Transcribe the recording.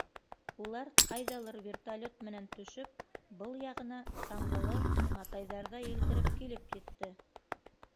Улар ҡайҙалыр вертолет менән төшөп, был яғына саңғылы матайҙарҙа елдереп килеп етте.